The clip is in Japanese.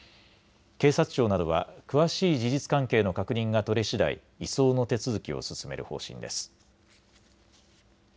警察庁などは詳しい事実関係の確認が取れしだい移送の手続きを進める方針です。